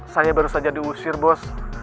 saya baru saja diusir bos